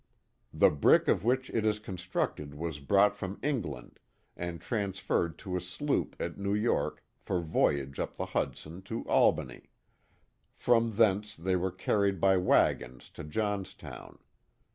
The brick of which it is constructed was brought from England, and transferred to a sloop at New York for voyage up the Hudson to Albany. From thence ttiey were carried by wagons to Johnstown.